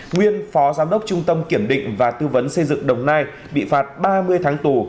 nguyên phó giám đốc trung tâm kiểm định và tư vấn xây dựng đồng nai bị phạt ba mươi tháng tù